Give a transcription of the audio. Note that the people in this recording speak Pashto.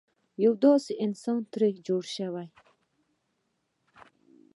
یو داسې انسان ترې جوړ شي.